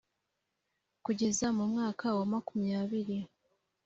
kugeza mu mwaka wa makumyabiri